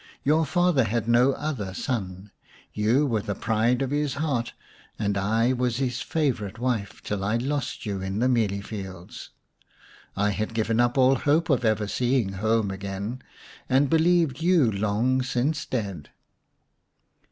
Your father had no other son ; you were the pride of his heart and I his favourite wife till I lost you in the mealie fields. I had given up all hopes of ever seeing home again, and believed you long since dead."